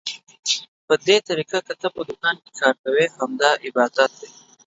په دې طريقه که ته په دوکان کې کار کوې، دا هم عبادت دى.